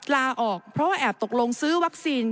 ลาออกเพราะว่าแอบตกลงซื้อวัคซีน